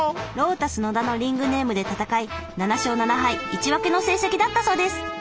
ロータス野田のリングネームで戦い７勝７敗１分けの成績だったそうです。